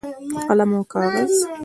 قلم او کاغذ